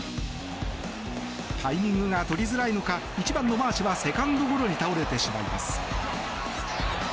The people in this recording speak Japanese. タイミングがとりづらいのか１番のマーシュはセカンドゴロに倒れてしまいます。